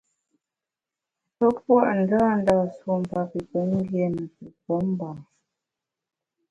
Pe pua’ ndândâ sumpa pi pemgbié ne pi pemba.